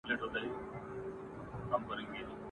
پېریانو ته کوه قاف څشي دی؟ !.